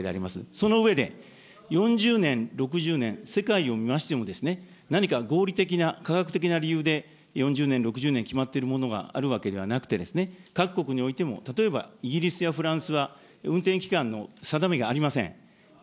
その上で、４０年、６０年、世界を見ましても、何か合理的な、科学的な理由で、４０年、６０年決まってるものがあるわけではなくて、各国においても、例えばイギリスやフランスは、運転期間の定めがありません。